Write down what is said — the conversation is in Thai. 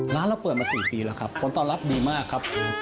ร้านเราเปิดมา๔ปีแล้วครับผลตอบรับดีมากครับ